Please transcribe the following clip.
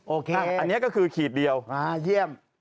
โอเคอันนี้ก็คือขีดเดียวเยี่ยม